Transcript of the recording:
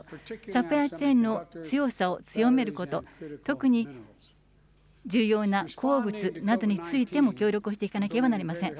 サプライチェーンの強さを強めること、特に重要な鉱物などについても協力をしていかなければなりません。